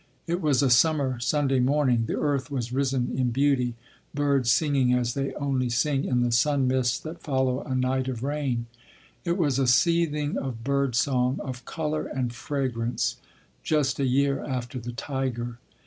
It was a summer Sunday morning—the earth was risen in beauty—birds singing as they only sing in the sun mists that follow a night of rain. It was a seething of bird song, of colour and fragrance—just a year after the tiger.